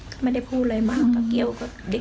ก็ไม่ได้พูดอะไรมากเกี่ยวกัน